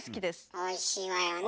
おいしいわよね。